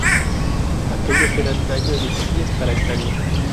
Aquellos eran años difíciles para el tango.